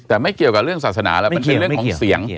แต่ไม่เกี่ยวกับเรื่องศาสนาแล้วมันเป็นเรื่องของเสียง